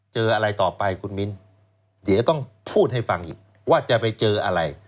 เจออะไรต่อไปคุณมิ้นเดี๋ยวต้องพูดให้ฟังอีกว่าจะไปเจออะไร